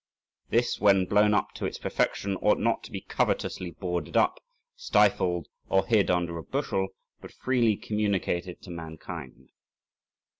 This, when blown up to its perfection, ought not to be covetously boarded up, stifled, or hid under a bushel, but freely communicated to mankind.